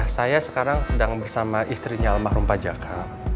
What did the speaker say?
saya sekarang sedang bersama istrinya almarhum pak jaka